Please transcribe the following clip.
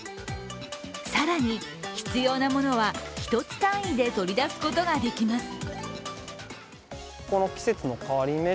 更に、必要なものは１つ単位で取り出すことができます。